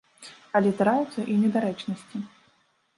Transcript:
Але здараюцца і недарэчнасці.